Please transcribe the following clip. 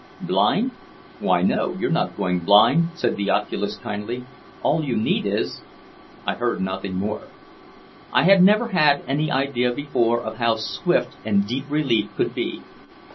"Blind? Why, no, you're not going blind," said the oculist kindly. "All you need is" I heard nothing more. I had never had any idea before of how swift and deep relief could be.